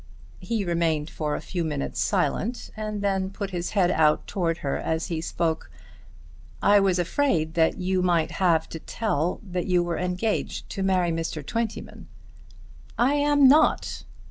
He remained for a few minutes silent, and then put his head out towards her as he spoke. "I was afraid that you might have to tell that you were engaged to marry Mr. Twentyman." "I am not."